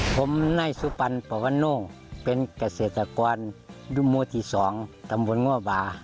ผมนายซุปปันปะวันโน่เป็นเกษตรกวัลดุมวลที่๒ตำบลงวบา